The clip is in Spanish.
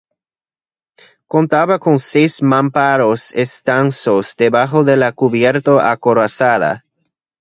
Contaba con seis mamparos estancos debajo de la cubierta acorazada.